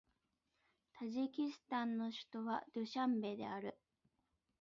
タジキスタンの首都はドゥシャンベである